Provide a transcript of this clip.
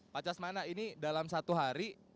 pak casmana ini dalam satu hari